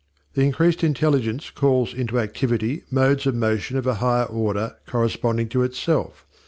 The increased intelligence calls into activity modes of motion of a higher order corresponding to itself.